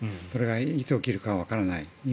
それがいつ起きるかわからない